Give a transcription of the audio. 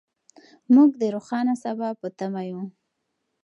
موږ د روښانه سبا په تمه یو.